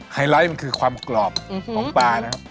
ไลท์มันคือความกรอบของปลานะครับ